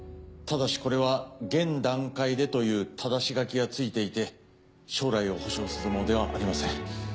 ただしこれは現段階でという但し書きがついていて将来を保証するものではありません。